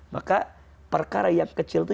maka perkara yang kecil itu